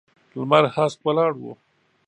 لمر هسک ولاړ و.